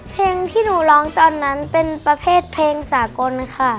เพลงที่หนูร้องตอนนั้นเป็นประเภทเพลงสากลค่ะ